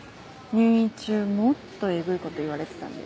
入院中もっとエグいこと言われてたんで。